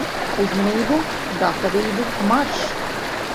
Uzmanību, gatavību, marš!